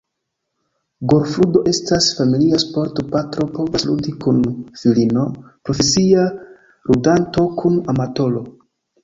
Golfludo estas familia sporto – patro povas ludi kun filino, profesia ludanto kun amatoro.